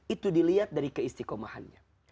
itu dilihat dari keistiqomahannya